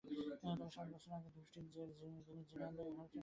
তবে সাত বছর আগের ঢুসটির জের জিনেদিন জিদান যেন এখনো টেনে চলেছেন।